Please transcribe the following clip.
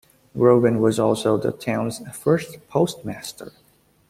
Grogan was also the towns first postmaster.